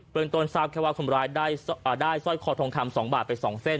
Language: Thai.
เปิดตัวชาวเกวะคนบร้ายได้อ่าได้ซ้อยคอทองคำสองบาทไปสองเส้น